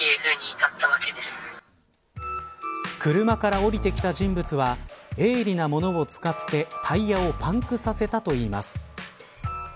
車から降りてきた人物は鋭利なものを使ってタイヤをパンクさせたといいます。